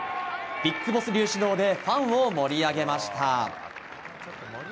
ビッグボス流指導でファンを盛り上げました。